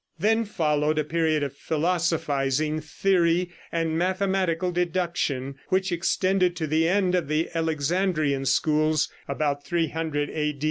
Then followed a period of philosophizing, theory and mathematical deduction, which extended to the end of the Alexandrian schools, about 300 A.